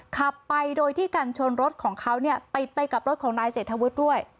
ขับไปโดยที่กันชนรถของเขาเนี่ยติดไปกับรถของนายเศรษฐวุฒิด้วย